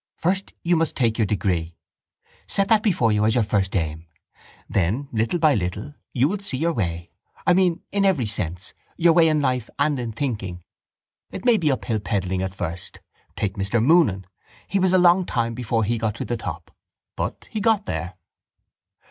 First you must take your degree. Set that before you as your first aim. Then, little by little, you will see your way. I mean in every sense, your way in life and in thinking. It may be uphill pedalling at first. Take Mr Moonan. He was a long time before he got to the top. But he got there.